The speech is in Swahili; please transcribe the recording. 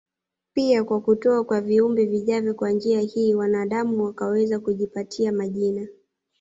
pia kwa kutoa kwa viumbe vijavyo Kwa njia hii wanaadamu wakaweza kujipatia majina